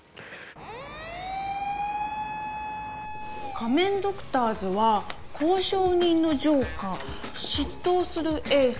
仮面ドクターズは交渉人のジョーカー執刀するエース